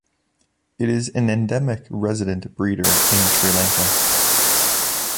It is an endemic resident breeder in Sri Lanka.